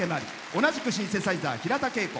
同じくシンセサイザー、平田恵子。